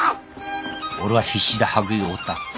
俺は必死で羽喰を追った。